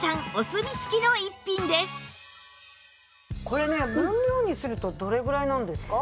これね分量にするとどれぐらいなんですか？